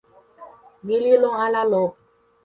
ni li lon ala lon?